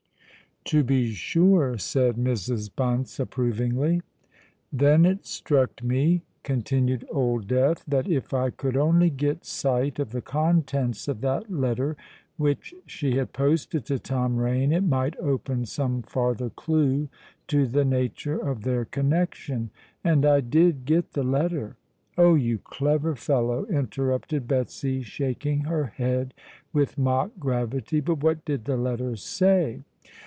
"To be sure," said Mrs. Bunce approvingly. "Then it struck me," continued Old Death, "that if I could only get sight of the contents of that letter which she had posted to Tom Rain, it might open some farther clue to the nature of their connexion. And I did get the letter——" "Oh! you clever fellow!" interrupted Betsy, shaking her head with mock gravity. "But what did the letter say?"